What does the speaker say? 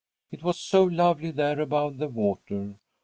It was so lovely there above the water.